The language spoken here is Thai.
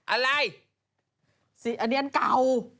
อะไรอันนี้เก่า